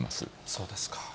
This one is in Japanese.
そうですか。